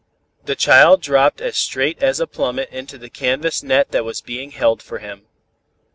"The child dropped as straight as a plummet into the canvas net that was being held for him.